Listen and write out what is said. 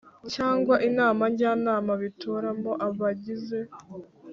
Cyangwa inama njyanama bitoramo abagize